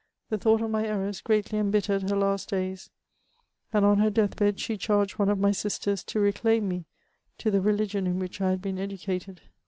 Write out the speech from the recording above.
The thought of my errors greatly em bittered her last days, and on her death bed she charged one of my sisters to reclaim me to the religion in which I had been educated.